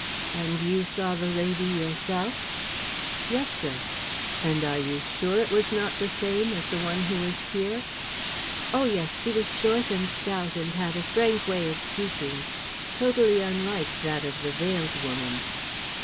"And you saw the lady herself?" "Yes, sir." "And are you sure it was not the same as the one who was here?" "Oh yes; she was short and stout and had a frank way of speaking, totally unlike that of the veiled woman."